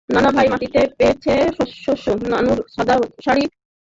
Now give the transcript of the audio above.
নানা ভাই মাটিতে পেতেছে শয্যা, নানুর সাদা শাড়ি জুড়ে সেই আতরের ঘ্রাণ।